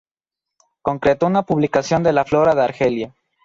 Concretó una publicación de la Flora de Argelia.